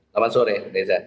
selamat sore risa